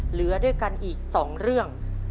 เหลือด้วยกันอีก๒เรื่อง